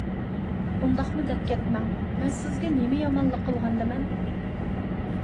ئۇنداقمۇ دەپ كەتمەڭ. مەن سىزگە نېمە يامانلىق قىلغاندىمەن؟